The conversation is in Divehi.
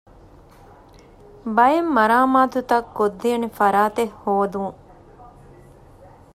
ބައެއް މަރާމާތުތައް ކޮށްދޭނެ ފަރާތެއް ހޯދުން